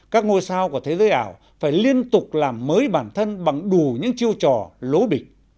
các ngôi sao của thế giới ảo phải liên tục làm mới bản thân bằng đủ những chiêu trò lố bịch